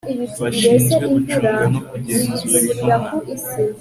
bashinzwe gucunga no kugenzura intumwa